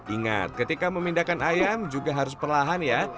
ingat ketika memindahkan ayam juga harus perlahan ya